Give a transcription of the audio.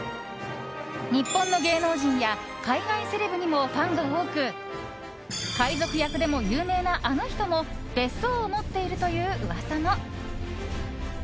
日本の芸能人や海外セレブにもファンが多く海賊役でも有名なあの人も別荘を持っているという噂も。